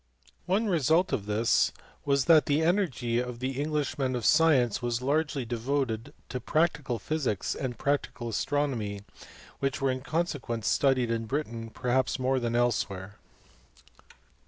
One result of this was that the energy of English men of science was largely devoted to practical physics and practical astronomy, which were in consequence studied in Britain perhaps more than elsewhere.